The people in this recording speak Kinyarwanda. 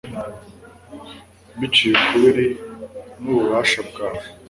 biciye ukubiri n'ububasha bwawe